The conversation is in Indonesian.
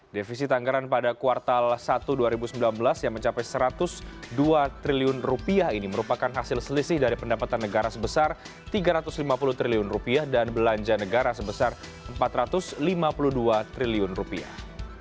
defisit anggaran pada kuartal satu dua ribu sembilan belas yang mencapai satu ratus dua triliun rupiah ini merupakan hasil selisih dari pendapatan negara sebesar tiga ratus lima puluh triliun rupiah dan belanja negara sebesar empat ratus lima puluh dua triliun rupiah